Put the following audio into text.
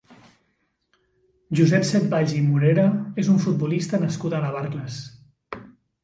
Josep Setvalls i Morera és un futbolista nascut a Navarcles.